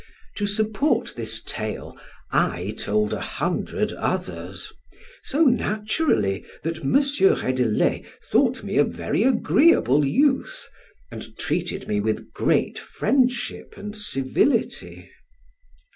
To support this tale, I told a hundred others, so naturally that M. Reydelet thought me a very agreeable youth, and treated me with great friendship and civility.